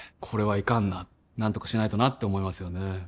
これはいかんな何とかしないとなって思いますよね